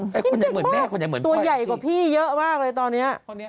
กินเก่งมากตัวใหญ่กว่าพี่เยอะมากเลยตอนนี้